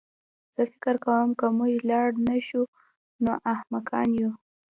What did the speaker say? زه فکر کوم که موږ لاړ نه شو نو احمقان یو